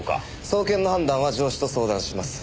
送検の判断は上司と相談します。